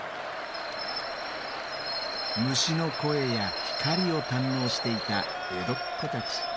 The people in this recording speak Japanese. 虫の声や光を堪能していた江戸っ子たち。